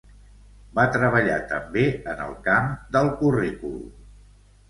Va treballar també en el camp del currículum.